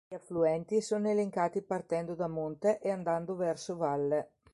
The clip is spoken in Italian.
Gli affluenti sono elencati partendo da monte e andando verso valle.